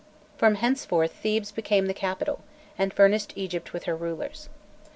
From henceforth Thebes became the capital, and furnished Egypt with her rulers.